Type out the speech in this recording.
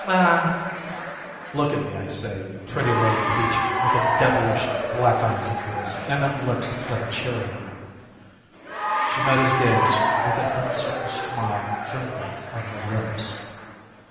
"Aw!" "Look at me, I say, you pretty little peach, with them devilish black eyes of yours and them lips that's got a cherry on 'em." She met his gaze with an uncertain smile trembling on her lips.